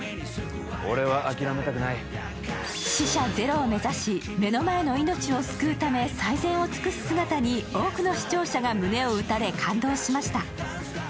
死者ゼロを目指し、目の前の命を救うため最善を尽くす姿に多くの視聴者が胸を打たれ、感動しました。